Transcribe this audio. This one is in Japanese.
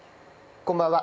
こんばんは。